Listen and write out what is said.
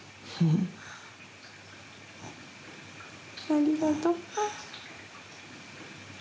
ありがとう。